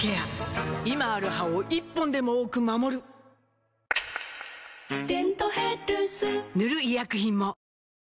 今ある歯を１本でも多く守る「デントヘルス」塗る医薬品も